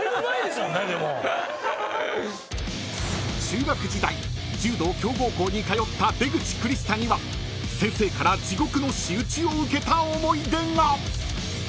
［中学時代柔道強豪校に通った出口クリスタには先生から地獄の仕打ちを受けた思い出が］